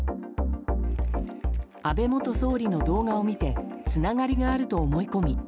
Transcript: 安倍元総理の動画を見てつながりがあると思い込み